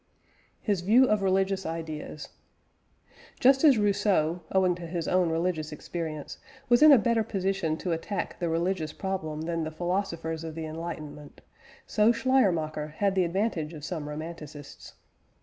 HIS VIEW OF RELIGIOUS IDEAS. Just as Rousseau, owing to his own religious experience, was in a better position to attack the religious problem than the philosophers of the "enlightenment," so Schleiermacher had the advantage of some Romanticists.